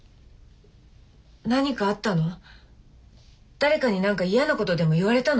誰かに何か嫌なことでも言われたの？